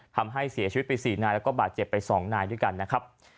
ทำให้เสียชีวิตไป๔นายแล้วก็บาดเจ็บไป๒นายด้วยกันนะครับ